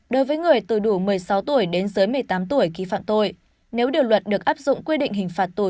đối với người từ đủ một mươi sáu tuổi đến dưới một mươi tám tuổi khi phạm tội nếu điều luật được áp dụng quy định hình phạt tù